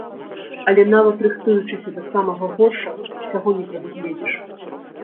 Але, нават рыхтуючыся да самага горшага, усяго не прадугледзіш.